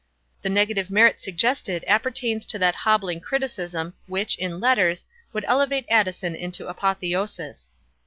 The negative merit suggested appertains to that hobbling criticism which, in letters, would elevate Addison into apotheosis.